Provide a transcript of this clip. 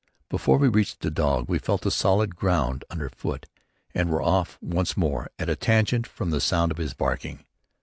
Before we reached the dog we felt the solid ground under foot and were off once more at a tangent from the sound of his barking.